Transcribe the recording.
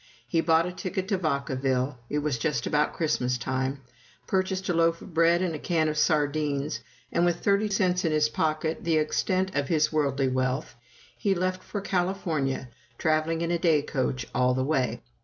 He bought a ticket to Vacaville, it was just about Christmas time, purchased a loaf of bread and a can of sardines, and with thirty cents in his pocket, the extent of his worldly wealth, he left for California, traveling in a day coach all the way.